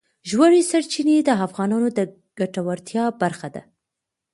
ژورې سرچینې د افغانانو د ګټورتیا برخه ده.